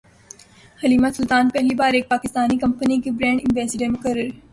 Halima Sultan پہلی بار ایک پاکستانی کمپنی کی برانڈ ایمبیسڈر مقرر